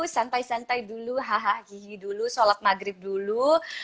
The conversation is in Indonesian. santai santai dulu hahaha gigi dulu solat maghrib dulu